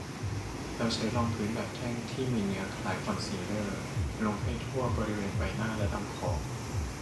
แล้วใช้รองพื้นแบบแท่งที่มีเนื้อคล้ายคอนซีลเลอร์ลงให้ทั่วบริเวณใบหน้า และลำคอ